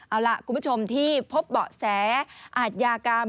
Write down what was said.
เอาล่ะคุณผู้ชมที่พบเบาะแสอาทยากรรม